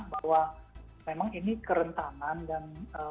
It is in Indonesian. bahwa memang ini kerentanan